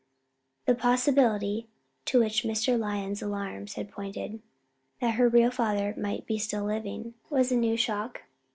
The possibility to which Mr. Lyon's alarms had pointed that her real father might still be living, was a new shock.